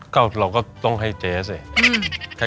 ก็เราก็ต้องให้เจ๊สิ